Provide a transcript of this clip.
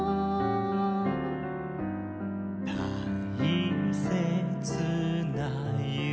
「たいせつな夢」